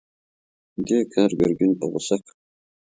دې کار ګرګين په غوسه کړ.